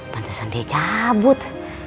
pantasan dia cabut